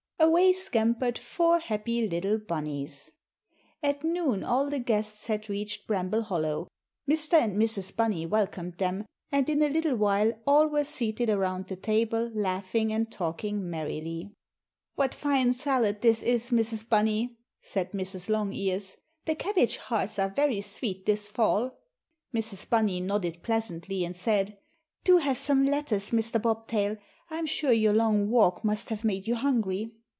Away scampered four happy little Bunnies. At noon all the guests had reached Bramble Hollow. Mr. and Mrs. Bunny welcomed them, and in a little while all were seated around the table laughing and talking merrily. "What fine salad this is, Mrs. Bunny," said Mrs. Longears. "The cabbage hearts are very sweet this fall." Mrs. Bunny nodded pleasantly and said, "Do have some lettuce, Mr. Bobtail. I'm sure your long walk must have made you hungry."